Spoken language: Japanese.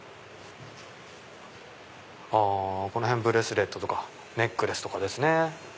この辺ブレスレットとかネックレスですね。